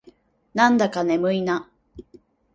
なんだか眠いな。